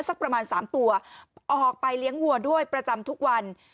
สักประมาณ๓ตัวออกไปเลี้ยงวัวด้วยประจำทุกวัน